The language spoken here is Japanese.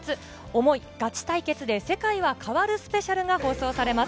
想いガチ対決で世界は変わるスペシャルが放送されます。